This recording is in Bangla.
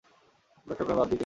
ব্যবসার প্লান বাদ দিতে হয়েছে।